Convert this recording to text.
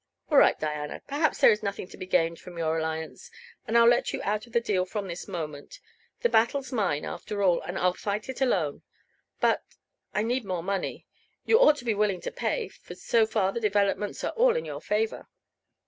All right, Diana; perhaps there is nothing to be gained from your alliance, and I'll let you out of the deal from this moment. The battle's mine, after all, and I'll fight it alone. But I need more money. You ought to be willing to pay, for so far the developments are all in your favor."